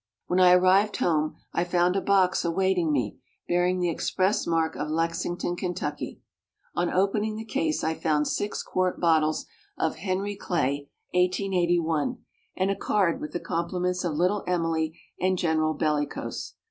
When I arrived home I found a box awaiting me, bearing the express mark of Lexington, Kentucky. On opening the case I found six quart bottles of "Henry Clay 1881"; and a card with the compliments of Little Emily and General Bellicose.